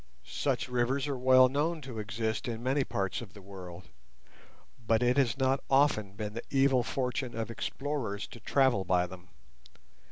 Such rivers are well known to exist in many parts of the world, but it has not often been the evil fortune of explorers to travel by them.